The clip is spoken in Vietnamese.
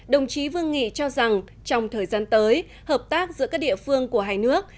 đồng chí vương nghị cho rằng trong thời gian tới hợp tác giữa các địa phương của hai nước